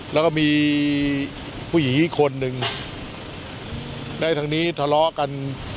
แล้วก็มีผู้หญิงคนหนึ่งในทางนี้ทะเลาะกัน